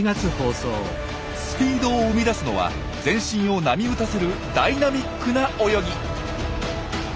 スピードを生み出すのは全身を波打たせるダイナミックな泳ぎ。